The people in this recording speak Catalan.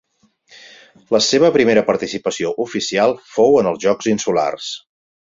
La seva primera participació oficial fou en els Jocs Insulars.